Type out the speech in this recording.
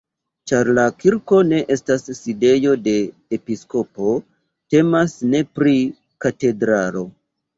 Ĉar la kirko ne estas sidejo de episkopo, temas ne pri katedralo.